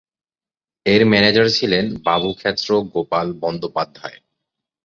এর ম্যানেজার ছিলেন বাবু ক্ষেত্র গোপাল বন্দ্যোপাধ্যায়।